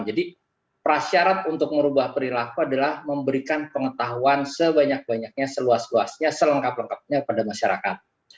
jadi prasyarat untuk merubah perilaku adalah memberikan pengetahuan sebanyak banyaknya seluas luasnya selengkap lengkapnya pada masyarakat